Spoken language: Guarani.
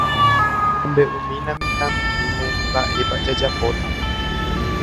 Emombe'umína mitãmimíme mba'épa jajapóta.